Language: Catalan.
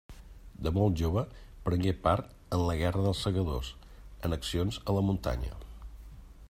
De molt jove prengué part en la guerra dels Segadors, en accions a la muntanya.